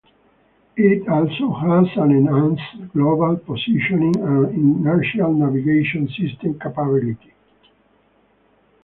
It also has an enhanced global positioning and inertial navigation system capability.